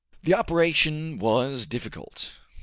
The operation was difficult.